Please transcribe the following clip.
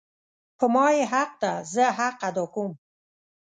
په ما یی حق ده زه حق ادا کوم